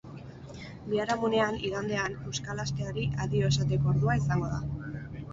Biharamunean, igandean, euskal asteari adio esateko ordua izango da.